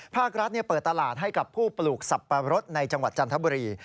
ภาครัฐเปิดตลาดให้กับผู้ปลูกสับปะรดในจังหวัดจันทบุรี